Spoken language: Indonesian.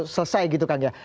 selesai gitu kan ya